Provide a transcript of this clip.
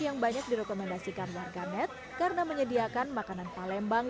yang banyak direkomendasikan warganet karena menyediakan makanan palembang